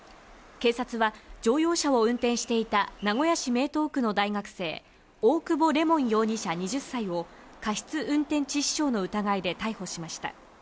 警察は乗用車を運転していた名古屋市名東区の大学生、大久保れもん容疑者、２０歳を過失運転致傷の疑いで逮捕しました。